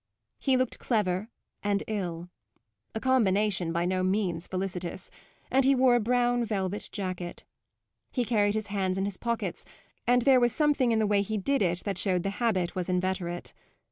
He looked clever and ill a combination by no means felicitous; and he wore a brown velvet jacket. He carried his hands in his pockets, and there was something in the way he did it that showed the habit was inveterate.